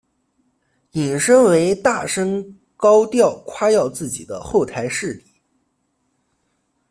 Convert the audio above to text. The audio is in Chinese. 引申为大声高调夸耀自己的后台势力。